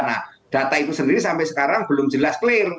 nah data itu sendiri sampai sekarang belum jelas clear